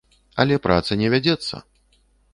Але праца не вядзецца!